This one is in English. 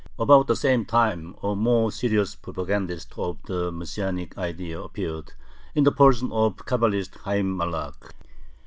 About the same time a more serious propagandist of the Messianic idea appeared in the person of the Cabalist Hayyim Malakh.